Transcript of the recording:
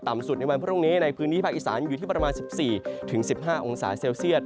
สุดในวันพรุ่งนี้ในพื้นที่ภาคอีสานอยู่ที่ประมาณ๑๔๑๕องศาเซลเซียต